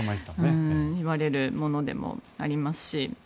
言われるものでもありますし。